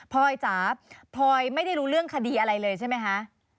ลอยจ๋าพลอยไม่ได้รู้เรื่องคดีอะไรเลยใช่ไหมคะ